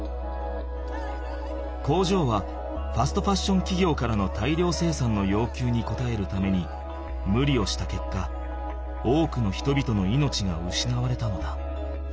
工場はファストファッションきぎょうからの大量生産のようきゅうにこたえるためにむりをしたけっか多くの人々の命がうしなわれたのだ。